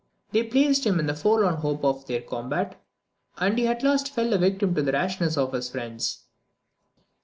They placed him in the forlorn hope of their combat, and he at last fell a victim to the rashness of his friends.